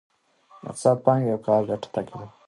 اقتصاد د پانګې او کار ګټه تعقیبوي.